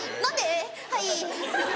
はい。